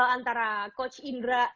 antara coach indra